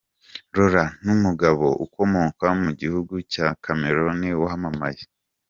Lauren numugabo ukomoka mu gihugu cya Cameroun, wamamaye.